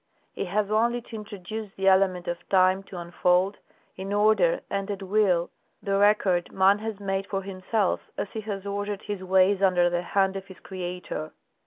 He has only to introduce the element of time to unfold, in order and at will, the record man has made for himself as he has ordered his ways under the hand of his Creator.